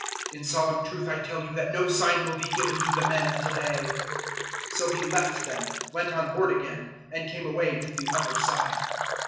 In solemn truth I tell you that no sign will be given to the men of to day." 008:013 So He left them, went on board again, and came away to the other side.